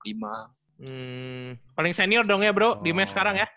hmm paling senior dong ya bro di mes sekarang ya